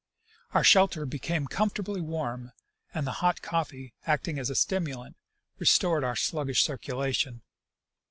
Our shelter became com fortably warm and the hot coffee, acting as a stimulant, restored our sluggish circulation.